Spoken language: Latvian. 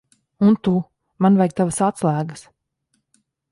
Un tu. Man vajag tavas atslēgas.